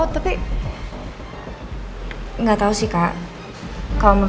kalau kakak ngelakuin kasus pembunuhan itu